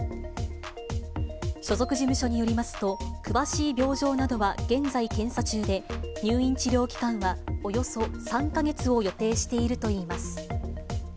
所属事務所によりますと、詳しい病状などは現在検査中で、入院治療期間はおよそ３か月を予定しているといいます。